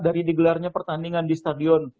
dari digelarnya pertandingan di stadion